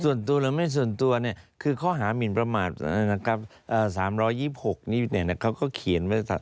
ส่วนตัวหรือไม่ส่วนตัวเนี่ยคือข้อหามินประมาณ๓๒๖นี่เนี่ยนะเขาก็เขียนไว้